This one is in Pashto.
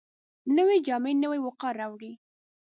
نوې جامې نوی وقار راوړي